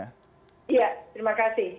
ya terima kasih